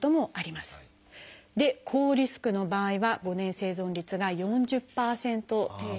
高リスクの場合は５年生存率が４０％程度。